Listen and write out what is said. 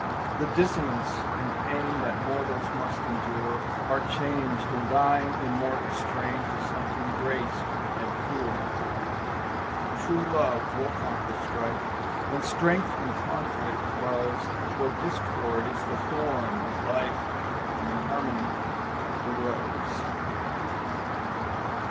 The dissonance and pain That mortals must endure Are changed in thine immortal strain To something great and pure. True love will conquer strife, And strength from conflict flows, For discord is the thorn of life And harmony the rose.